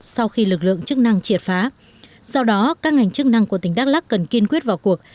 sau khi lực lượng chức năng triệt phá sau đó các ngành chức năng của tỉnh đắk lắc cần kiên quyết vào cuộc